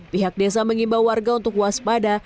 pihak desa mengimbau warga untuk waspada